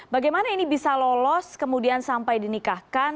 bagaimana ini bisa lolos kemudian sampai dinikahkan